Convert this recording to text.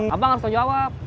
abang harus t'jawab